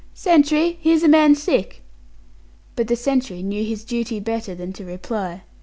"Sentry, here's a man sick." But the sentry knew his duty better than to reply.